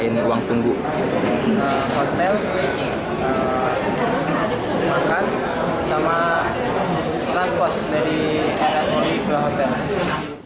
kita membuat uang tunggu hotel makan dan transport dari air ke hotel